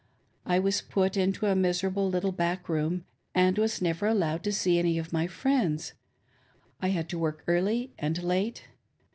I was put into a miserable little back room, and was never allowed to see any of my friends ; I had to work early and late.